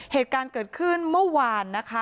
เหตุการณ์เกิดขึ้นเมื่อวานนะคะ